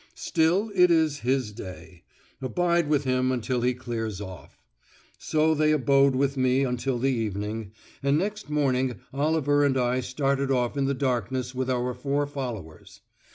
Still, it is his day; abide with him until he clears off! So they abode with me until the evening, and next morning Oliver and I started off in the darkness with our four followers.